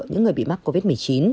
những người bị mắc covid một mươi chín